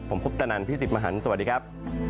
ผมคุปตะนันพี่สิทธิ์มหันฯสวัสดีครับ